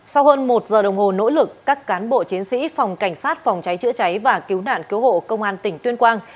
sau hơn một giờ đồng hồ nỗ lực các cán bộ chiến sĩ phòng cảnh sát phòng cháy chữa cháy và cứu nạn cứu hộ công an tỉnh tuyên quang